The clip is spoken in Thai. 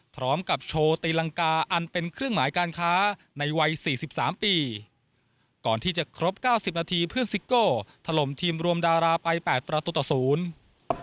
พร้อมกับโชว์ตีลังกาอันเป็นเครื่องหมายการค้าในวัยสี่สิบสามปีก่อนที่จะครบเก้าสิบนาทีเพื่อนซิโก้ถล่มทีมรวมดาราไปแปดประตูต่อศูนย์